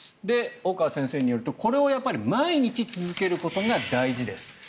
大川先生によるとこれを毎日続けることが大事です。